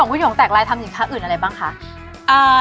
คุณหย่องแตกอะไรทำอีกค้าอื่นอะไรบ้างคะ